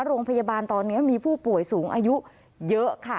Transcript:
โรงพยาบาลตอนนี้มีผู้ป่วยสูงอายุเยอะค่ะ